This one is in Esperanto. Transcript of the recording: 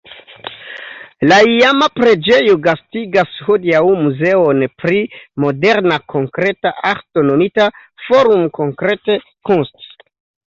La iama preĝejo gastigas hodiaŭ muzeon pri moderna konkreta arto nomita "Forum Konkrete Kunst".